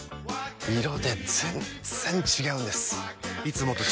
色で全然違うんです！